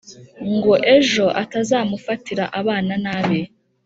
ngo ejo atazamufatira abana nabi.